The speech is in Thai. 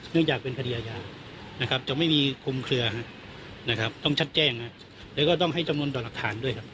เนื่องจากเป็นคดีอาญาจะไม่มีคุมเคลือต้องชัดแจ้งแล้วก็ต้องให้จำนวนด่อหลักฐานด้วย